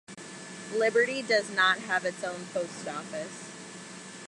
Liberty does not have its own post office.